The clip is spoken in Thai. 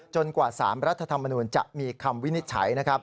กว่า๓รัฐธรรมนูลจะมีคำวินิจฉัย